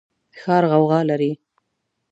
ښار غوغا لري